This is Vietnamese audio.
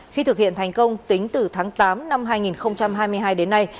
khi thực hiện thành công tính từ tháng tám năm hai nghìn hai mươi hai đến nay